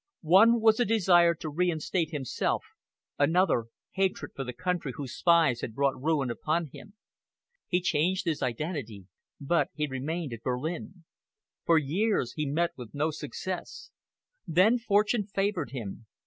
One was a desire to reinstate himself; another, hatred for the country whose spies had brought ruin upon him. He changed his identity, but he remained at Berlin. For years he met with no success. Then fortune favored him.